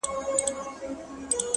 هره ورځ د بدلون نوې کړکۍ پرانیزي